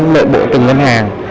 mỗi bộ từng ngân hàng